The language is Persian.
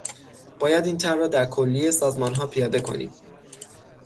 باید این طرح را در کلیهٔ سازمانها پیاده کنیم.